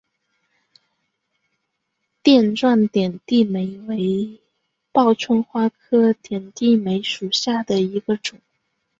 垫状点地梅为报春花科点地梅属下的一个种。